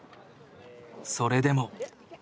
それでも。